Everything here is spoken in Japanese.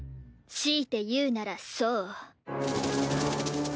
強いて言うならそう。